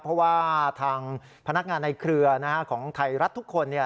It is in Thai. เพราะว่าทางพนักงานในเครือของไทยรัฐทุกคน